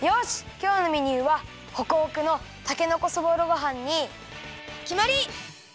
きょうのメニューはホクホクのたけのこそぼろごはんにきまり！